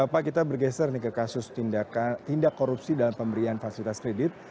pak kita bergeser nih ke kasus tindak korupsi dalam pemberian fasilitas kredit